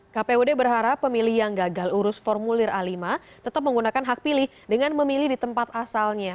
kpud berharap pemilih yang gagal urus formulir a lima tetap menggunakan hak pilih dengan memilih di tempat asalnya